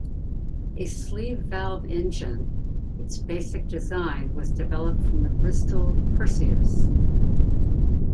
A sleeve valve engine, its basic design was developed from the Bristol Perseus.